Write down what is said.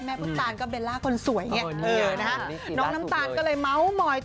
แม่พุสตานก็เบลล์ล่าก้นสวยเงี้ยน้องน้ำตาลก็เลยเมา๊วมอยต่อ